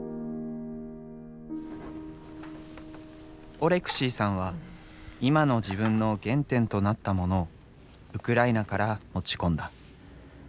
オレクシーさんは今の自分の原点となったモノをウクライナから持ち込んだ。